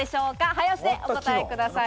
早押しでお答えください。